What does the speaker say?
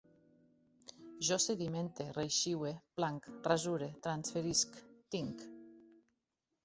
Jo sedimente, reixiue, planc, rasure, transferisc, tinc